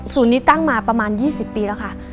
นี้ตั้งมาประมาณ๒๐ปีแล้วค่ะ